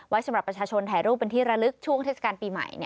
สำหรับประชาชนถ่ายรูปเป็นที่ระลึกช่วงเทศกาลปีใหม่